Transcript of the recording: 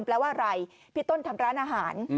แปลว่าอะไรพี่ต้นทำร้านอาหาร